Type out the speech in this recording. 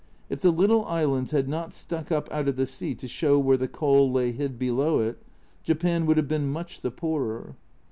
If the little islands had not stuck up out of the sea to show where the coal lay hid below it, Japan would have been much the poorer.